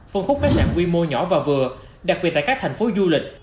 phân khúc khách sạn quy mô nhỏ và vừa đặc biệt tại các thành phố du lịch